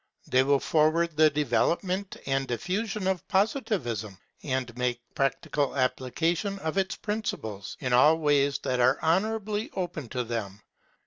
They will forward the development and diffusion of Positivism, and make practical application of its principles, in all ways that are honourably open to them.